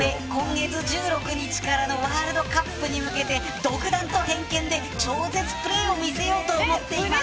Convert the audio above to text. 今月１６日からのワールドカップに向けて独断と偏見で超絶プレーを見せようと思っています。